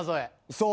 そう。